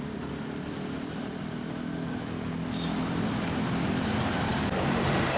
pemudik motor saudara juga sudah mulai terlihat ramai melintas di arteri pantura